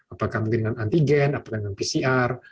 apakah mungkin dengan antigen apakah dengan pcr